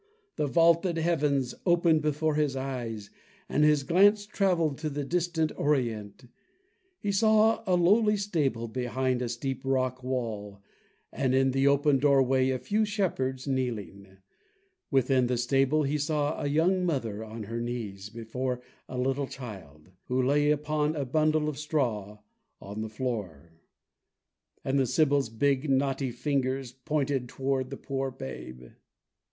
The vaulted heavens opened before his eyes, and his glance traveled to the distant Orient. He saw a lowly stable behind a steep rock wall, and in the open doorway a few shepherds kneeling. Within the stable he saw a young mother on her knees before a little child, who lay upon a bundle of straw on the floor. And the sibyl's big, knotty fingers pointed toward the poor babe.